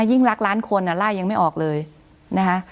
ยิ่งรักล้านคนไล่ยังไม่ออกเลยนะคะ